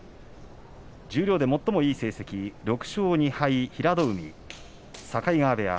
十両で最もいい成績６勝２敗と平戸海、境川部屋。